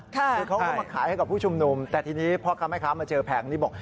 คือเขาก็มาขายให้กับผู้ชุมนุมแต่ทีนี้พ่อค้าแม่ค้ามาเจอแผงนี้บอก